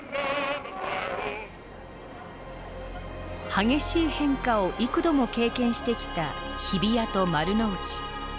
激しい変化を幾度も経験してきた日比谷と丸の内。